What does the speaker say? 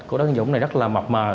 của đối tượng dũng này rất là mập mờ